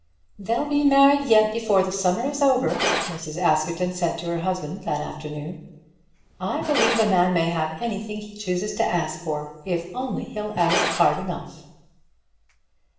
"They'll be married yet before the summer is over," Mrs. Askerton said to her husband that afternoon. "I believe a man may have anything he chooses to ask for, if he'll only ask hard enough."